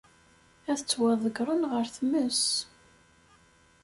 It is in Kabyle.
Ad ttwaḍeggren ɣer tmes.